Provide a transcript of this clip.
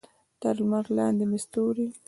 تر لمن لاندې مې ستوري